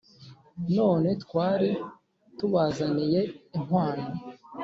none twari tubazaniye inkwano